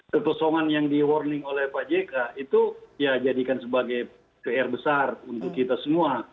kekosongan yang di warning oleh pak jk itu ya jadikan sebagai pr besar untuk kita semua